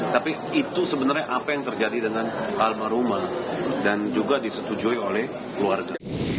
tapi itu sebenarnya apa yang terjadi dengan almarhumah dan juga disetujui oleh keluarga